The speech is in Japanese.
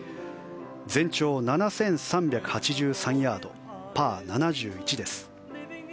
全長７３８３ヤード、パー７１。